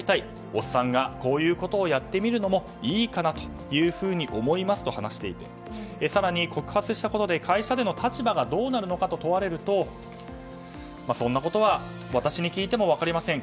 おっさんがこういうことをやってみるのもいいかなというふうに思いますと話していて更に、告発したことで会社での立場がどうなるのかと問われるとそんなことは私に聞いても分かりません。